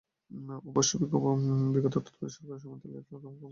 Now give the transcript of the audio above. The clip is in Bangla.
অবশ্য বিগত তত্ত্বাবধায়ক সরকারের সময় তেলের দাম কমানোর কারণে একবার বাসভাড়া কমানো হয়।